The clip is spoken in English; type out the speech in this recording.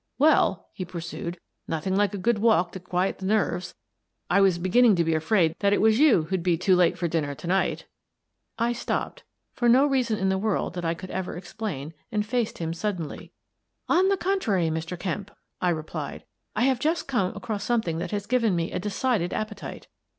" Well," he pursued, " nothing like a good walk to quiet the nerves. I was beginning to be afraid 1 82 Miss Frances Baird, Detective that it was you who'd be too late for dinner to night" I stopped — for no reason in the world that I could ever explain — and faced him suddenly. "On the contrary, Mr. Kemp/' I replied, "I have just come across something that has given me a decided appetite."